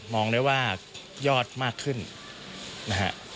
องได้ว่ายอดมากขึ้นนะฮะ